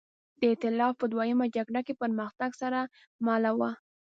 د اېتلاف په دویمه جګړه کې پرمختګ سره مله وه.